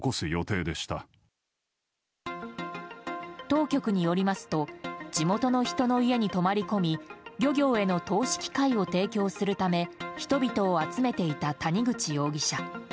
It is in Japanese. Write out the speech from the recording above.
当局によりますと地元の人の家に泊まり込み漁業への投資機会を提供するため人々を集めていた谷口容疑者。